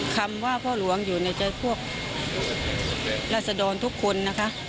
คำว่าพ่อหลวงอยู่ในใจพวกราศดรทุกคนนะคะ